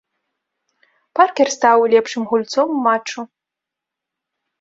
Паркер стаў лепшым гульцом ў матчу.